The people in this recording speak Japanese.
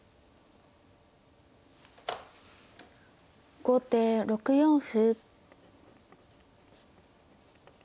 後手６四歩。